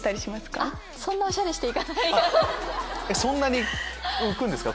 そんなに浮くんですか？